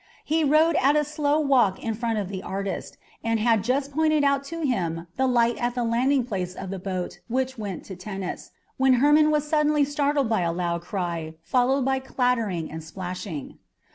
He rode at a slow walk in front of the artist, and had just pointed out to him the light at the landing place of the boat which went to Tennis, when Hermon was suddenly startled by a loud cry, followed by clattering and splashing.